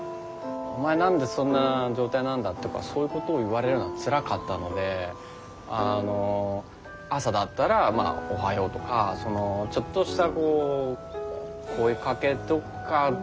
お前何でそんな状態なんだとかそういうことを言われるのがつらかったのであの朝だったらおはようとかそのちょっとした声かけとかでの方が楽。